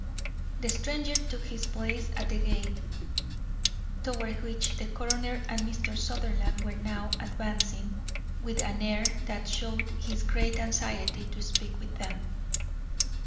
The stranger took his place at the gate, toward which the coroner and Mr. Sutherland were now advancing, with an air that showed his great anxiety to speak with them.